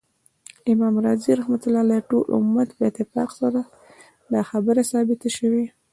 امام رازی رحمه الله : ټول امت په اتفاق سره دا خبره ثابته سوی